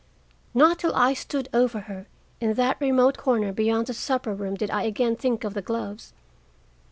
Not till I stood over her in that remote corner beyond the supper room did I again think of the gloves.